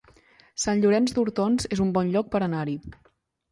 Sant Llorenç d'Hortons es un bon lloc per anar-hi